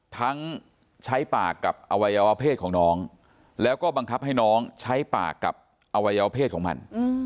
ทั้งใช้ปากกับอวัยวะเพศของน้องแล้วก็บังคับให้น้องใช้ปากกับอวัยวเพศของมัน